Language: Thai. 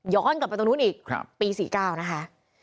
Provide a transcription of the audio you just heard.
กลับไปตรงนู้นอีกปี๔๙นะคะ